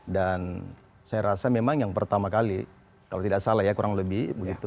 dan saya rasa memang yang pertama kali kalau tidak salah ya kurang lebih begitu